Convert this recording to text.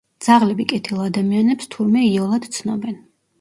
ძაღლები კეთილ ადამიანებს, თურმე, იოლად ცნობენ.